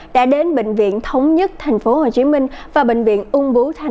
đã đến bệnh viện thống nhất tp hcm và bệnh viện ung bú thái